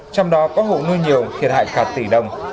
trong đó có hộ nuôi nhiều thiệt hại cả tỷ đồng